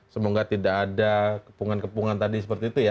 semoga tidak ada kepungan kepungan tadi seperti itu ya